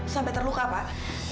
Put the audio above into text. sampai terluka pak